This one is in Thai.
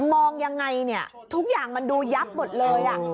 มองยังไงเนี่ยทุกอย่างมันดูยับหมดเลย